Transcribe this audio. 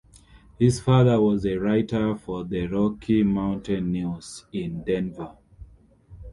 His father was a writer for the "Rocky Mountain News" in Denver.